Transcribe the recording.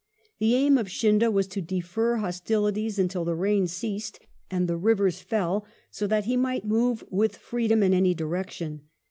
The aim of Scindia was to defer hostilities until the rains ceased and the rivers fell, so that he might move with freedom in any direction.